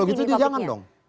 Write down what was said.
kalau gitu dia jangan dong